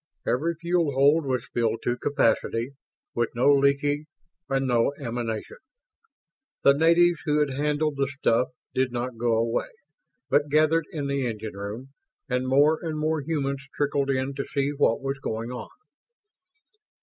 Every fuel hold was filled to capacity, with no leakage and no emanation. The natives who had handled the stuff did not go away, but gathered in the engine room; and more and more humans trickled in to see what was going on.